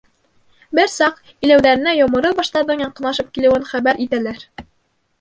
Бер саҡ иләүҙәренә Йомро баштарҙың яҡынлашып килеүен хәбәр итәләр.